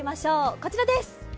こちらです。